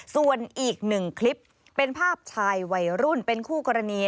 ส่วนอีกหนึ่งคลิปเป็นภาพชายวัยรุ่นเป็นคู่กรณี